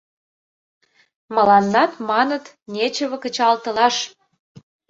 Мыланнат, маныт, нечыве кычалтылаш.